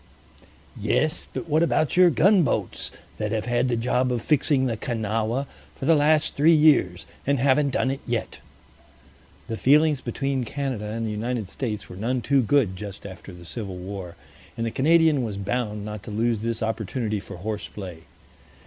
"Yes; but what about your gunboats that have had the job of fixing the Kanawha for the last three years, and haven't done it yet?" The feelings between Canada and the United States were none too good just after the Civil War, and the Canadian was bound not to lose this opportunity for horse play.